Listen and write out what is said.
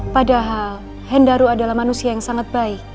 padahal hendaru adalah manusia yang sangat baik